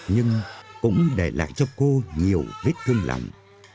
nhưng cũng để lại cho cô nhiều vết thương lòng